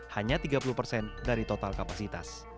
hanya tiga puluh persen dari total kapasitas